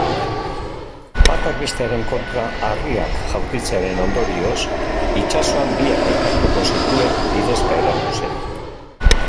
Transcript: Batak bestearen kontra harriak jaurtitzearen ondorioz, itsasoan biak elkartuko zituen bidexka eratu zen.